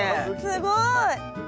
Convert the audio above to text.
すごい。